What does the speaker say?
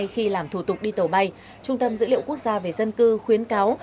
khi làm thủ tục đi tàu bay trung tâm dữ liệu quốc gia về dân cư khuyến cáo